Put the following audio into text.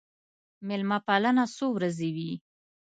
مېلمه پالنه څو ورځې وي.